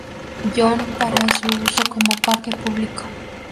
John para su uso como parque público.